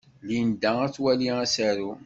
Linda ad twali asaru.